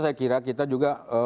ada ruang sasaran tentang itu